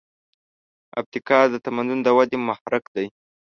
ابتکار د تمدن د ودې محرک دی.